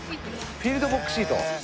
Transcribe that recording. フィールドボックスシート。